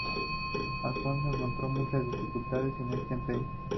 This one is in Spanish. Alfonso encontró muchas dificultades en este empeño.